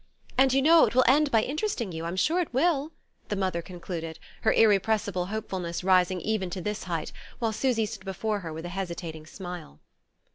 "And, you know, it will end by interesting you I'm sure it will," the mother concluded, her irrepressible hopefulness rising even to this height, while Susy stood before her with a hesitating smile.